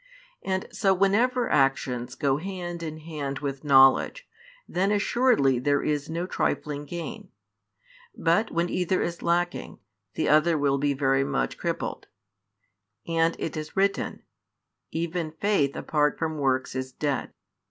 And so whenever actions go hand in hand with knowledge, then assuredly there is no trifling gain; but when either is lacking, the other will be very much crippled: and it is written: Even faith apart from works is dead.